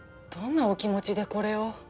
どんなお気持ちでこれを。